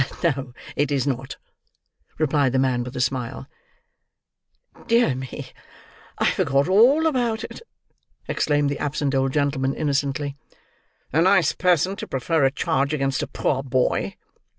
"No, it is not," replied the man, with a smile. "Dear me, I forgot all about it!" exclaimed the absent old gentleman, innocently. "A nice person to prefer a charge against a poor boy!"